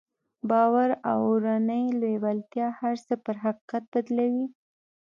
باور او اورنۍ لېوالتیا هر څه پر حقيقت بدلوي.